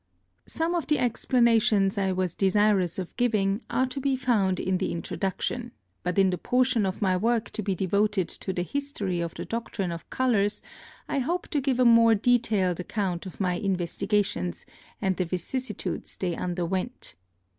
Some of the explanations I was desirous of giving are to be found in the introduction, but in the portion of my work to be devoted to the history of the doctrine of colours, I hope to give a more detailed account of my investigations and the vicissitudes they underwent.